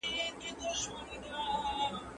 مېړنو ته رسېدلې ازلي توره رنګینه